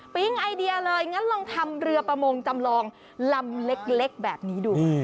ไอเดียเลยงั้นลองทำเรือประมงจำลองลำเล็กแบบนี้ดู